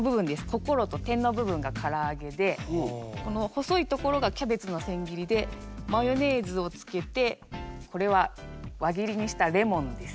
心と点の部分がからあげでこの細い所がキャベツの千切りでマヨネーズをつけてこれは輪切りにしたレモンです。